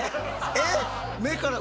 えっ？